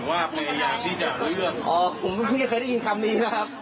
อ่อไม่เคยเคยได้ยินคำนี้นะครับ